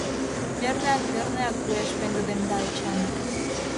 Верныяк, верныяк, — уэш пеҥгыдемда Эчан.